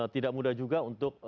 tidak mudah juga untuk